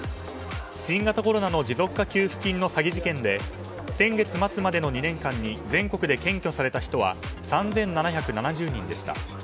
新型コロナの持続化給付金の詐欺事件で先月末までの２年間に全国で検挙された人は３７７０人でした。